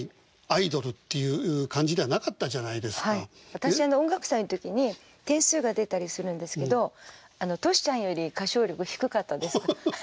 私音楽祭の時に点数が出たりするんですけどトシちゃんより歌唱力低かったです。